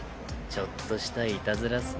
ちょっとしたいたずらさ。